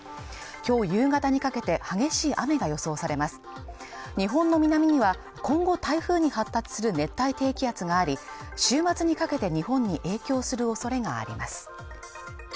今日夕方にかけて激しい雨が予想されます日本の南には今後台風に発達する熱帯低気圧があり週末にかけて日本に影響するおそれがあります